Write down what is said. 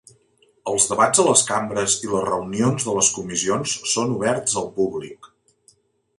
Els debats a les cambres i les reunions de les comissions són oberts al públic.